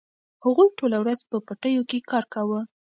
هغوی ټوله ورځ په پټیو کې کار کاوه.